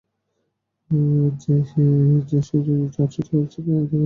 সে যদি তার সত্যিকারের ছেলে হয়ে থাকে?